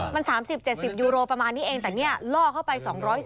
มัน๓๐๗๐ยูโรประมาณนี้เองแต่เนี่ยล่อเข้าไป๒๔๐